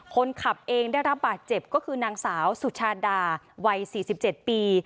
คนขับเองได้รับบาดเจ็บก็คือนางสาวสุชาดาวัย๔๗ปี